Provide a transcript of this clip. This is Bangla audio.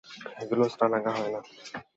এখনো স্নানাহার হয় নি।